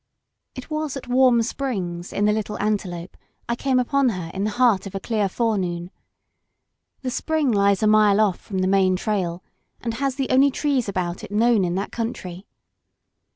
It was at Warm Spring in the Little Ante lope I came upon her in the heart of a clear forenoon. |^The spring lies off a mile from the main trail, and has the only trees about it known in that cotmtry.